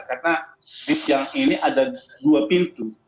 karena lift yang ini ada dua pintu